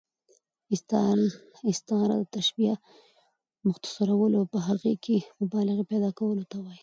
استعاره د تشبیه، مختصرولو او په هغې کښي مبالغې پیدا کولو ته وايي.